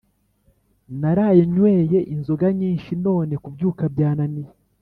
Naraye nyweye inzoga nyinshi none kubyuka byananiye